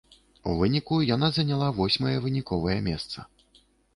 У выніку яна заняла восьмае выніковае месца.